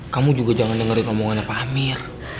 kamu juga jangan dengerin omongannya pak amir